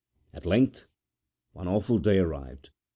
At length one awful day arrived.